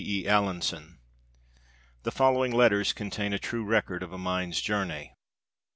E. Allinson The following letters contain a true record of a mind's journey.